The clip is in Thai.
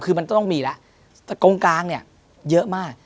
คือมันต้องมีแล้วแต่กงกลางเนี่ยเยอะมาก